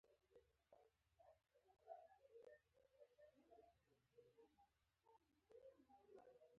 ترموز د خندا د شیبو یاد دی.